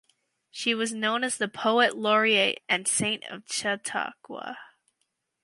She was known as the "Poet Laureate and Saint of Chautauqua".